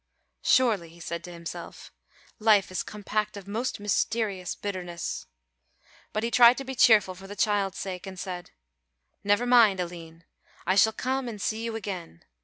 "Surely," he said to himself, "life is compact of most mysterious bitterness"; but he tried to be cheerful for the child's sake and said, "Never mind, Aline, I shall come and see you again.